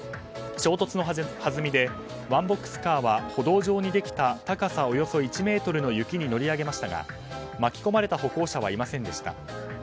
衝突のはずみでワンボックスカーは歩道上にできた高さおよそ１ｍの雪に乗り上げましたが巻き込まれた歩行者はいませんでした。